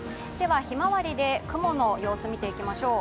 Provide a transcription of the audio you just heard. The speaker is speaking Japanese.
ひまわりで雲の様子を見ていきましょう。